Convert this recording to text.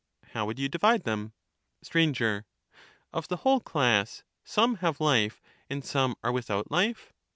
How would you divide them ? Str. Of the whole class, some have life and some are without life.